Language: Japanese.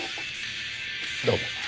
どうも。